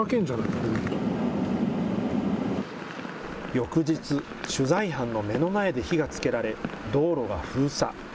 翌日、取材班の目の前で火がつけられ、道路が封鎖。